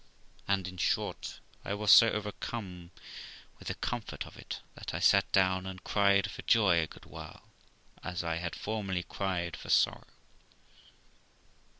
_And, in short, I was so overcome with the comfort of it that I sat down and cried for joy a good while, as I had formerly cried for sorrow.